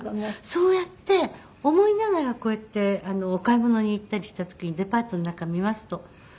そうやって思いながらこうやってお買い物に行ったりした時にデパートの中見ますとあるんです